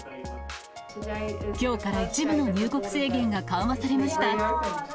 きょうから一部の入国制限が緩和されました。